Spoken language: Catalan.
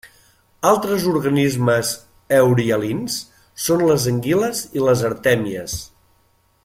Altres organismes eurihalins són les anguiles i les artèmies.